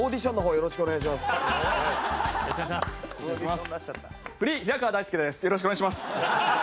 よろしくお願いします。